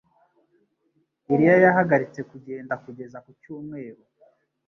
Eliya yahagaritse kugenda kugeza ku cyumweru.